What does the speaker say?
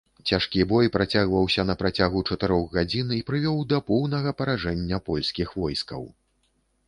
Цяжкі бой працягваўся на працягу чатырох гадзін і прывёў да поўнага паражэння польскіх войскаў.